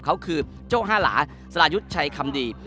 เขาคือโจ้ห้าหลาสรายุทธ์ชัยคำดี